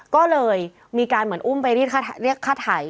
ก็เลยมีการเหมือนอุ้มไปเรียกค่าไถ